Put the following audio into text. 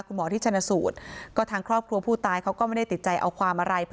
คุณหมอที่ชนะสูตรก็ทางครอบครัวผู้ตายเขาก็ไม่ได้ติดใจเอาความอะไร